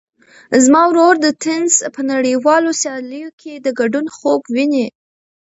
زما ورور د تېنس په نړیوالو سیالیو کې د ګډون خوب ویني.